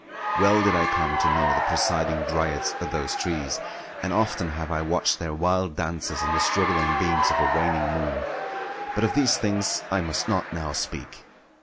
Well did I come to know the presiding dryads of those trees, and often have I watched their wild dances in the struggling beams of a waning moon—but of these things I must not now speak.